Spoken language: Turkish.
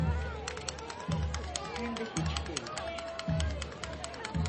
Hem de hiç değil.